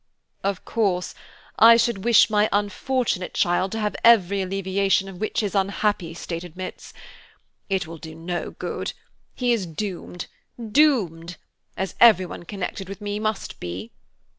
"Of course, I should wish my unfortunate child to have every alleviation of which his unhappy state admits. It will do no good; he is doomed, doomed, as every one connected with me must be."